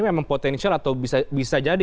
memang potensial atau bisa jadi